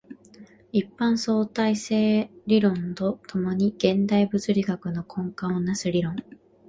一般相対性理論と共に現代物理学の根幹を成す理論